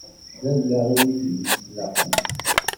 D allaɣ-iw i t-id-ittexlaqen.